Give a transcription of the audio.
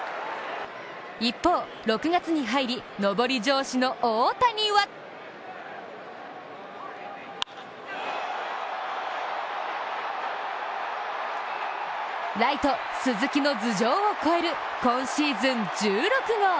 一方、６月に入り上り調子の大谷はライト・鈴木の頭上を越える今シーズン１６号。